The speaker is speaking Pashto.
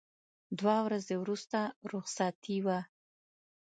دوه ورځې وروسته رخصتي وه.